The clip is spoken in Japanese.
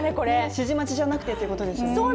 指示待ちじゃなくてということですよね。